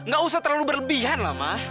gak usah terlalu berlebihan lama